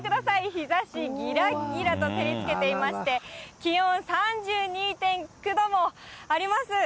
日ざし、ぎらっぎらと照りつけていまして、気温３２．９度もあります。